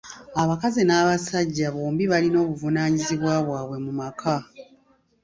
Abasajja n'abakazi bombi balina obuvunaanyizibwa bwabwe mu maka.